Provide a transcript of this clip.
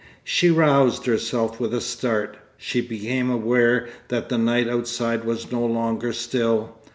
She roused herself with a start. She became aware that the night outside was no longer still.